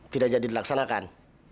tidak jadi dilaksanakan